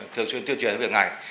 thường xuyên tuyên truyền về việc này